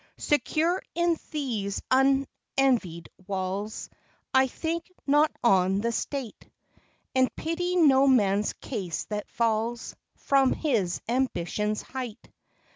GOD'S SUNBEAM. 20 7 Secure in these unenvied walls, I think not on the state, And pity no man's case that falls, From his ambition's height.